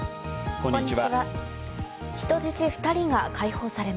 こんにちは。